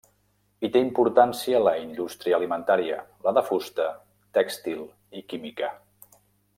Hi té importància la indústria alimentària, la de la fusta, tèxtil i química.